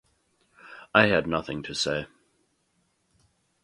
I had nothing to say.